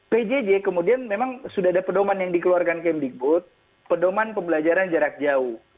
pjj kemudian memang sudah ada pedoman yang dikeluarkan kemdikbud pedoman pembelajaran jarak jauh